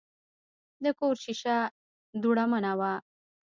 د کور شیشه دوړمنه وه.